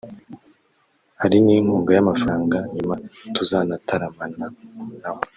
hari n’inkunga y’amafaranga nyuma tuzanataramana nabo